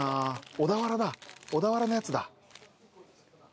小田原のやつだ。